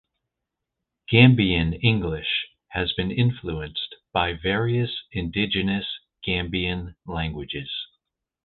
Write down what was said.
Gambian English has been influenced by various indigenous Gambian languages.